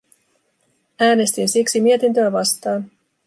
Äänestin siksi mietintöä vastaan.